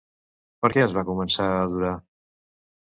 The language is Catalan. Per què es va començar a adorar?